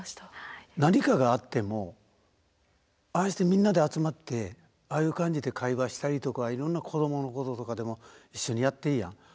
何かがあってもああしてみんなで集まってああいう感じで会話したりとかいろんな子どものこととかでも一緒にやっていいやん。